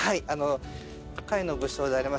甲斐の武将であります